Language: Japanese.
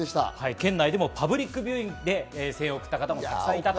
県内でもパブリックビューイングで声援を送った方、沢山いました。